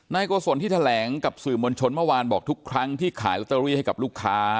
โกศลที่แถลงกับสื่อมวลชนเมื่อวานบอกทุกครั้งที่ขายลอตเตอรี่ให้กับลูกค้า